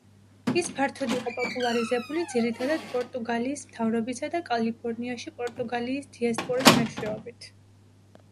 ის ფართოდ იყო პოპულარიზებული, ძირითადად პორტუგალიის მთავრობისა და კალიფორნიაში პორტუგალიის დიასპორის მეშვეობით.